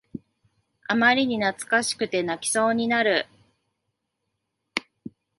あまりに懐かしくて泣きそうになる